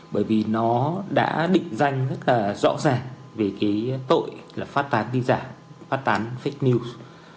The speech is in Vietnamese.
bởi vì nó đã định danh rất là rõ ràng về cái tội là phát tán tin giả phát tán fake news